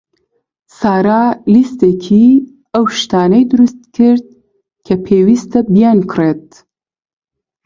سارا لیستێکی ئەو شتانەی دروست کرد کە پێویستە بیانکڕێت.